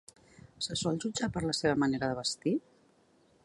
Se sol jutjar per la teva manera de vestir?